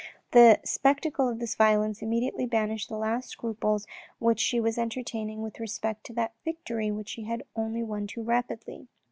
The spectacle of this violence immediately banished the last scruples which she was enter taining with respect to that victory which she had won only too rapidly.